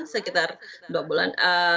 sekitar dua bulan